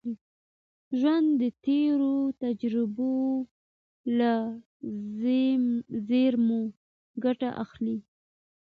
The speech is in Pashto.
ژوند د تېرو تجربو له زېرمي ګټه اخلي.